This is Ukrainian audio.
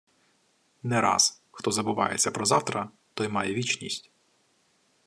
Не раз, хто забувається про завтра, той має вічність.